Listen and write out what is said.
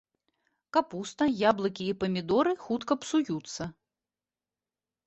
Капуста, яблыкі і памідоры хутка псуюцца.